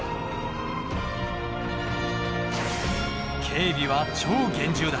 警備は超厳重だ。